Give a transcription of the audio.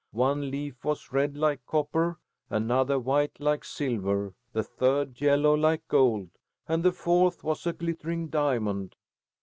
One leaf was red like copper, another white like silver, the third yellow like gold, and the fourth was a glittering diamond.